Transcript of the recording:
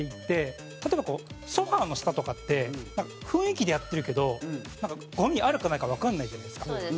例えば、ソファの下とかって雰囲気でやってるけどゴミあるかないかわからないじゃないですか。